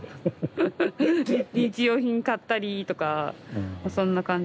日用品買ったりとかそんな感じで。